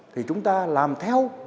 thì chúng ta làm theo